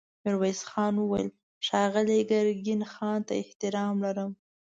ميرويس خان وويل: ښاغلي ګرګين خان ته احترام لرم.